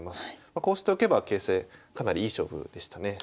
こうしておけば形勢かなりいい勝負でしたね。